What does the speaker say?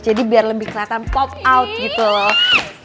jadi biar lebih kelihatan pop out gitu loh